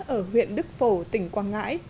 ở huyện đức phổ tỉnh quang ngãi